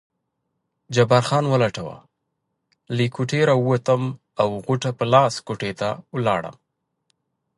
جبار خان ولټوه، له کوټې راووتم او غوټه په لاس کوټې ته ولاړم.